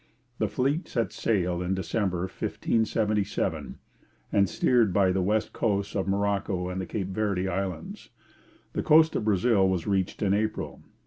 The fleet set sail in December 1577, and steered by the west coast of Morocco and the Cape Verde Islands. The coast of Brazil was reached in April.